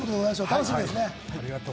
楽しみですね。